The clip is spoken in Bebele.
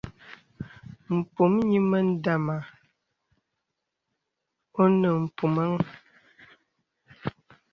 M̄pù nyìmə dāmà onə mpùməŋ.